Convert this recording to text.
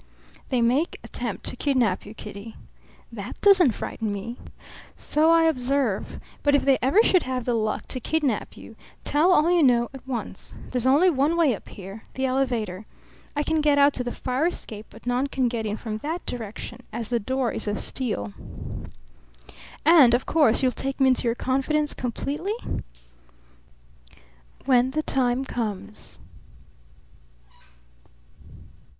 "They may attempt to kidnap you, Kitty." "That doesn't frighten me." "So I observe. But if they ever should have the luck to kidnap you, tell all you know at once. There's only one way up here the elevator. I can get out to the fire escape, but none can get in from that direction, as the door is of steel." "And, of course, you'll take me into your confidence completely?" "When the time comes.